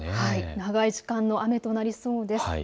長い時間の雨となりそうです。